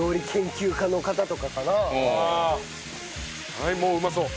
はいもううまそう。